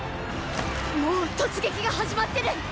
もう突撃が始まってる！